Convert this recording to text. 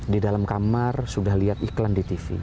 di dalam kamar sudah lihat iklan di tv